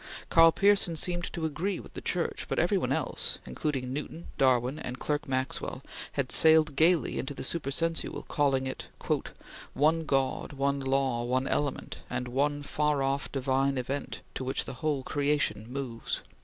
Karl Pearson seemed to agree with the Church, but every one else, including Newton, Darwin and Clerk Maxwell, had sailed gaily into the supersensual, calling it: "One God, one Law, one Element, And one far off, divine event, To which the whole creation moves."